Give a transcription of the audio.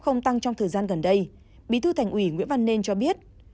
số ca f tăng trong thời gian gần đây bí thư thành ủy nguyễn văn nên cho biết